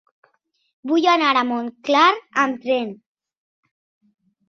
Vull anar a Montclar amb tren.